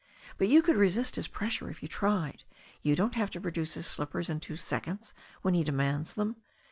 But you could resist his pressure if you tried. You don't have to produce his slippers in two seconds when he demands them.